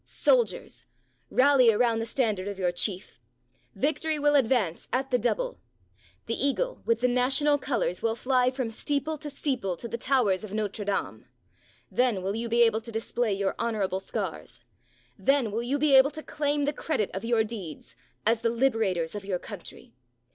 Soldiers, rally around the standard of your chief ! Vic tory will advance at the double! The Eagle, with the national colors, will fly from steeple to steeple to the towers of Notre Dame. Then will you be able to display your honorable scars. Then will you be able to claim the credit of your deeds, as the liberators of your country.